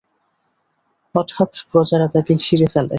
হঠাৎ প্রজারা তাঁকে ঘিরে ফেলে।